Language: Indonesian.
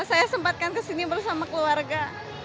saya sempatkan ke sini bersama keluarga